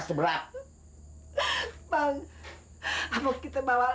bisa lah ngomongin dia terus akhirnya jadi stress berat